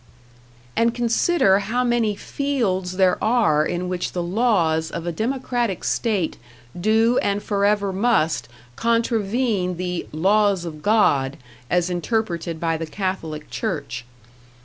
And consider how many fields there are in which the laws of a democratic state do and forever must contravene the "laws of God" as interpreted by the Catholic Church.